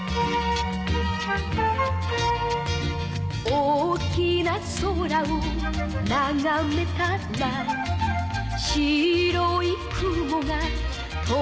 「大きな空をながめたら」「白い雲が飛んでいた」